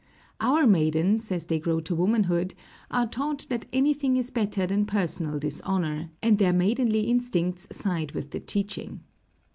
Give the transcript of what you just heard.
Our maidens, as they grow to womanhood, are taught that anything is better than personal dishonor, and their maidenly instincts side with the teaching.